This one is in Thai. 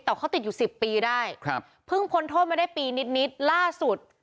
แต่เขาติดอยู่สิบปีได้ครับเพิ่งพ้นโทษมาได้ปีนิดนิดล่าสุด